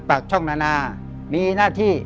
ปากช่องนานามีหน้าที่